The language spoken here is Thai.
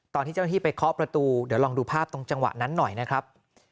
ตอนที่เจ้าหน้าที่ไปเคาะประตูเดี๋ยวลองดูภาพตรงจังหวะนั้นหน่อยนะครับ